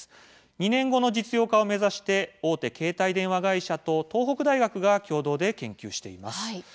２年後の実用化を目指して大手携帯電話会社と東北大学が共同で研究しています。